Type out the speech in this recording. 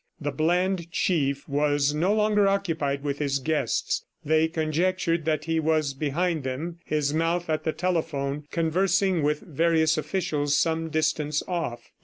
The bland Chief was no longer occupied with his guests. They conjectured that he was behind them, his mouth at the telephone, conversing with various officials some distance off.